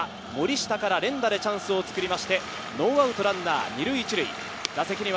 森下から連打でチャンスを作りまして、ノーアウトランナー２塁１塁。